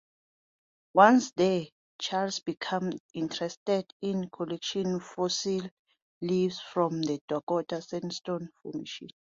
Once there, Charles became interested in collecting fossil leaves from the Dakota Sandstone Formation.